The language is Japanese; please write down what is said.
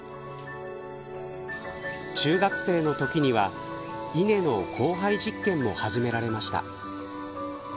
中学生のときには稲の交配実験も始められました。